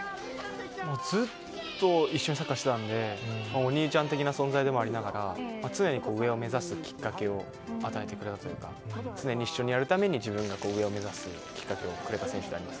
ずっと一緒にサッカーをしていたのでお兄ちゃん的な存在でもありながら常に上を目指すきっかけを与えてくれたという常に一緒にやるために自分が上を目指すきっかけをくれた選手になります。